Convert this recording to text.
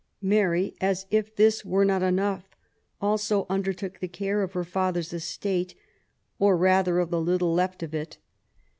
Mary, as if this were not enough, also undertook the care of her father's estate, or rather of the little left of it.